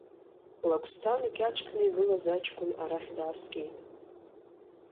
Лагәсҭан икьаҿ кны игылаз аҷкәын арахь дааскьеит.